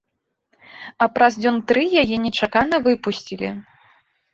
А праз дзён тры яе нечакана выпусцілі.